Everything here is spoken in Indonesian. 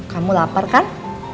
kamu lapar kan